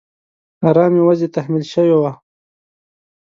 آرامي وضعې تحمیل شوې وه.